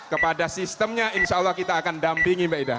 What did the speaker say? kepada sistemnya insya allah kita akan dampingi mbak ida